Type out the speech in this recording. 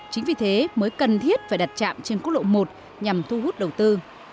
chính vì thế mới cần thiết phải đặt trạm trên quốc lộ một nhằm thu hút đầu tư